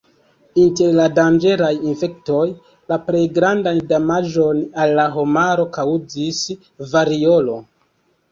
Inter la danĝeraj infektoj, la plej grandan damaĝon al la homaro kaŭzis variolo.